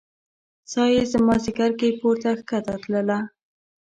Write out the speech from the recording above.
ساه يې زما ځیګر کې پورته کښته تلله